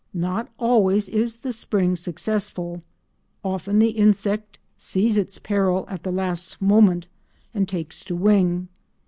Not always is the spring successful; often the insect sees its peril at the last moment and takes to wing.